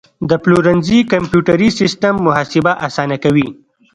د پلورنځي کمپیوټري سیستم محاسبه اسانه کوي.